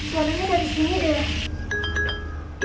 selalu nya gak disini deh